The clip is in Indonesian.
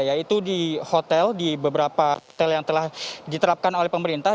yaitu di hotel di beberapa hotel yang telah diterapkan oleh pemerintah